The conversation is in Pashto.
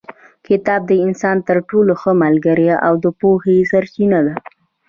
کتاب د انسان تر ټولو ښه ملګری او د پوهې سرچینه ده.